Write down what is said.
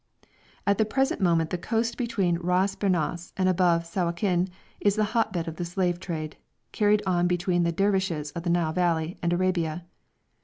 At the present moment the coast below Ras Bernas and above Sawakin is the hot bed of the slave trade, carried on between the Dervishes of the Nile Valley and Arabia.